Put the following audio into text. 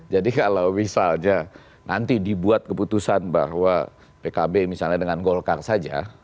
jadi kalau misalnya nanti dibuat keputusan bahwa pkb misalnya dengan golkar saja